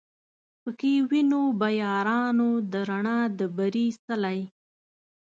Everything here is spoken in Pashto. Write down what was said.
پکښی وینو به یارانو د رڼا د بري څلی